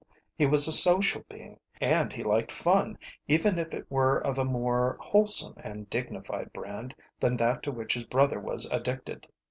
He was a social being, and he liked fun, even if it were of a more wholesome and dignified brand than that to which his brother was addicted.